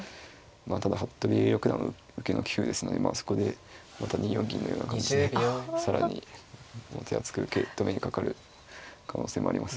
まあただ服部六段は受けの棋風ですのでそこでまた２四銀のような感じで更に手厚く受け止めにかかる可能性もありますか。